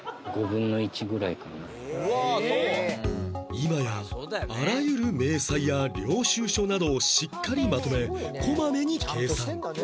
今やあらゆる明細や領収書などをしっかりまとめこまめに計算